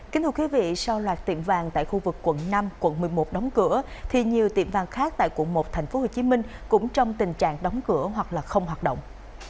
kính thưa quý vị sau loạt tiệm vàng tại khu vực quận năm quận một mươi một đóng cửa thì nhiều tiệm vàng khác tại quận một tp hcm cũng trong tình trạng đóng cửa hoặc là không hoạt động